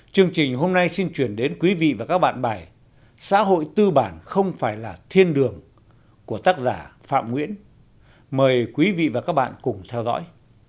chương trình hôm nay xin chuyển đến quý vị và các bạn bài xã hội tư bản không phải là thiên đường của tác giả phạm nguyễn mời quý vị và các bạn cùng theo dõi